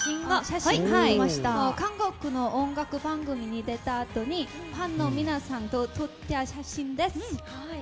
韓国の音楽番組に出たあとにファンの皆さんと撮った写真です。